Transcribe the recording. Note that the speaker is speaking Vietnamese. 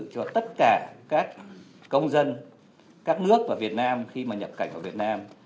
cho tất cả các công dân các nước và việt nam khi mà nhập cảnh vào việt nam